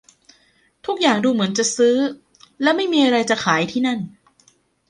ทุกอย่างดูเหมือนจะซื้อและไม่มีอะไรจะขายที่นั่น